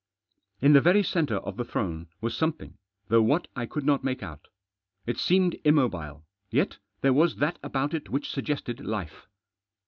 In the very centre of the throne was something, though what I could not make out. It seemed immo bile ; yet there was that about it which suggested life.